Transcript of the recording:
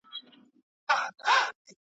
پر هرګام چي شکر باسم له اخلاصه !.